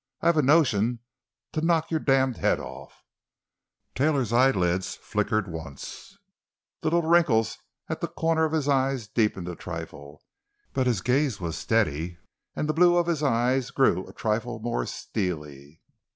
I've a notion to knock your damned head off!" Taylor's eyelids flickered once, the little wrinkles at the corners of his eyes deepening a trifle. But his gaze was steady, and the blue of his eyes grew a trifle more steely.